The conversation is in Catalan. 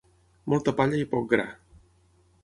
Molta palla i poc gra.